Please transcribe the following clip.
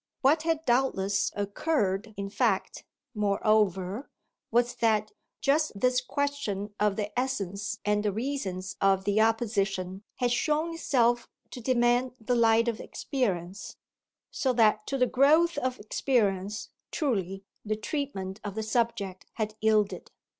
What had doubtless occurred in fact, moreover, was that just this question of the essence and the reasons of the opposition had shown itself to demand the light of experience; so that to the growth of experience, truly, the treatment of the subject had yielded.